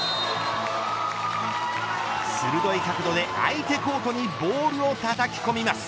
鋭い角度で相手コートにボールをたたき込みます。